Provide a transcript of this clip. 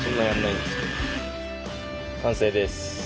完成です。